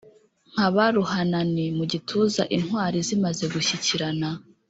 Nkaba ruhananti mu gituza intwari zimaze gushyikirana;